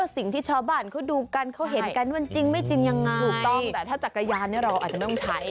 สิ่งที่ชาวบ้านเขาดูกันเขาเห็นกันมันจริงไม่จริงยังไงถูกต้องแต่ถ้าจักรยานเนี่ยเราอาจจะไม่ต้องใช้